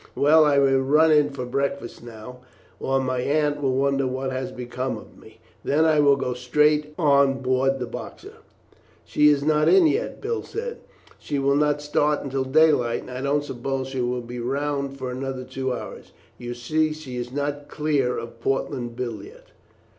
Well, I will run in for breakfast now, or my aunt will wonder what has become of me; then I will go straight on board the Boxer. "She is not in yet," Bill said. "She would not start until daylight; and I don't suppose she will be round for another two hours. You see she is not clear of Portland Bill yet."